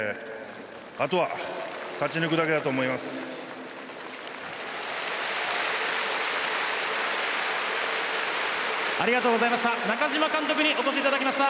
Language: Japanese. あとは勝ち抜くだけだと思います。